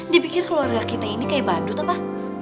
dipikir keluarga kita ini kayak bandut apa